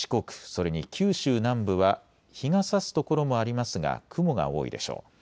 それに九州南部は日がさす所もありますが雲が多いでしょう。